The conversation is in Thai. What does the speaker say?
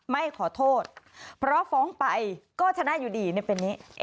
ไม่ขอโทษเพราะฟ้องไปก็ชนะอยู่ดีเป็นนี้